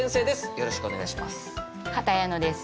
よろしくお願いします。